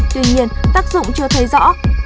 tuy nhiên tác dụng chưa thấy rõ